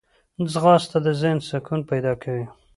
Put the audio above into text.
ځغاسته د ذهن سکون پیدا کوي